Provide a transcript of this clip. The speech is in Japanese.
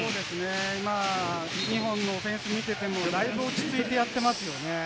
今のオフェンス見てても、だいぶ落ち着いてやっていますよね。